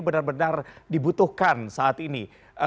benar benar dibutuhkan saat ini